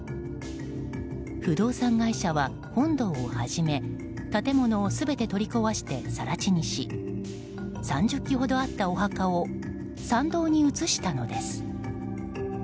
不動産会社は、本堂をはじめ建物を全て取り壊して更地にし３０基ほどあったお墓を参道に移したのです。